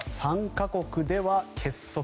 ３か国では結束。